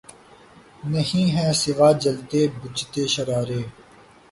نہیں ھیں سوا جلتے بجھتے شرارے